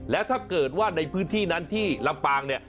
แล้วถ้าเกิดว่าในพื้นที่นั้นที่ลำปางเนี่ย